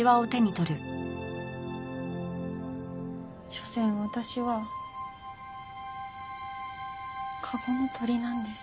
しょせん私は籠の鳥なんです。